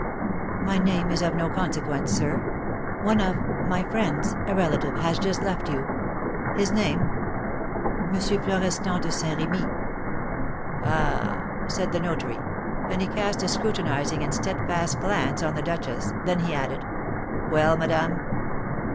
"My name is of no consequence, sir. One of my friends, a relative, has just left you." "His name?" "M. Florestan de Saint Remy." "Ah!" said the notary; and he cast a scrutinising and steadfast glance on the duchess. Then he added, "Well, madame?"